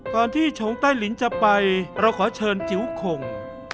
ที่ชงใต้ลิ้นจะไปเราขอเชิญจิ๋วข่ง